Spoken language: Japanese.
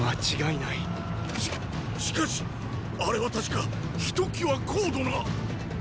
しっしかしあれは確かひときわ高度な。